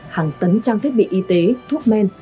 hàng tấn trang thiết bị y tế thuốc men